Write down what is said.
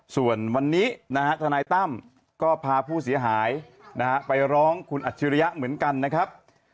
ส่วนวันนี้นะฮะทนายตั้มก็พาผู้เสียหายไปร้องคุณอัจฉริยะเหมือนกันนะครับ